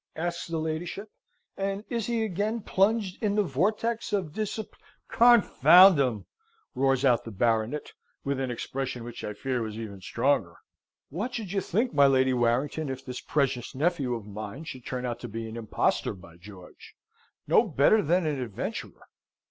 asks her ladyship. "And is he again plunged in the vortex of dissip " "Confound him!" roars out the Baronet, with an expression which I fear was even stronger. "What should you think, my Lady Warrington, if this precious nephew of mine should turn out to be an impostor; by George! no better than an adventurer?"